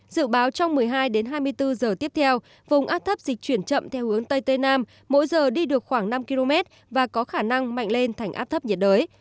dự báo trong một mươi hai đến hai mươi bốn giờ tiếp theo vùng áp thấp dịch chuyển chậm theo hướng tây tây nam mỗi giờ đi được khoảng năm km và có khả năng mạnh lên thành áp thấp nhiệt đới